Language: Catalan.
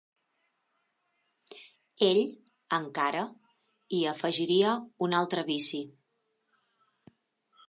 Ell encara hi afegiria un altre vici.